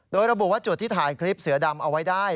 โดยระบุว่าจุดที่ถ่ายคลิปเสือดำเอาไว้ได้